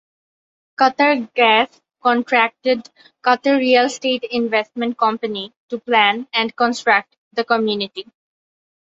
Qatargas contracted Qatar Real Estate Investment Company to plan and construct the community.